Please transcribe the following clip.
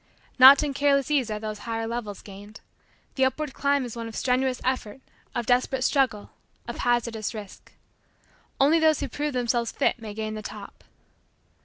Not in careless ease are those higher levels gained. The upward climb is one of strenuous effort, of desperate struggle, of hazardous risk. Only those who prove themselves fit may gain the top.